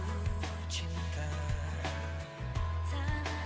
tuhan di atasku